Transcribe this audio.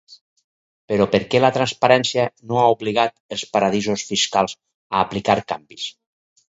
Però per què la transparència no ha obligat els paradisos fiscals a aplicar canvis?